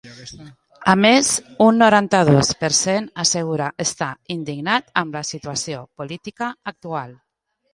A més, un noranta-dos per cent assegura estar ‘indignat’ amb la situació política actual.